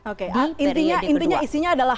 oke intinya isinya adalah